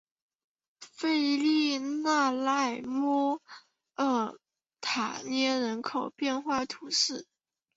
弗利讷莱莫尔塔涅人口变化图示